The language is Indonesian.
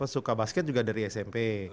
suka basket juga dari smp